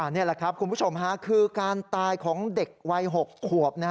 นี่แหละครับคุณผู้ชมคือการตายของเด็กวัย๖ขวบ